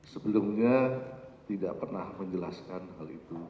sebelumnya tidak pernah menjelaskan hal itu